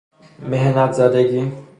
محنت زدگی